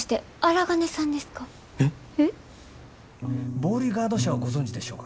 ボーリガード社をご存じでしょうか？